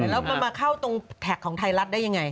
แล้วมันมาเข้าตรงแท็กของไทยรัฐได้ยังไง